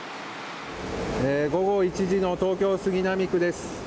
午後１時の東京・杉並区です。